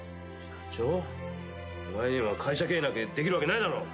お前には会社経営なんてできるわけないだろ！